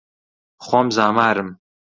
خۆم زامارم